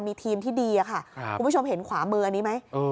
มีทีมที่ดีค่ะคุณผู้ชมเห็นขวามืออันนี้ไหม